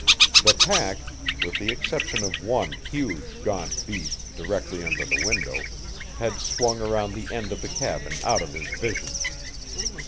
The pack with the exception of one huge, gaunt beast directly under the window had swung around the end of the cabin out of his vision.